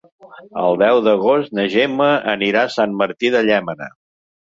El deu d'agost na Gemma anirà a Sant Martí de Llémena.